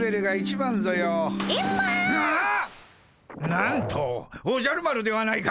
なんとおじゃる丸ではないか！